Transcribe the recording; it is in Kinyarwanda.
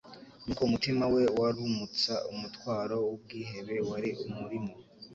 Nuko umutima we wurmutsa umutwaro w'ubwihebe wari umurimo,